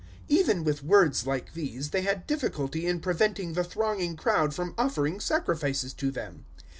014:018 Even with words like these they had difficulty in preventing the thronging crowd from offering sacrifices to them.